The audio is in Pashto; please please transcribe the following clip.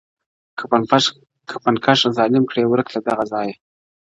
کفن کښ ظالم کړې ورک له دغه ځایه!!